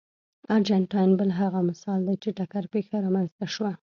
ارجنټاین بل هغه مثال دی چې ټکر پېښه رامنځته شوه.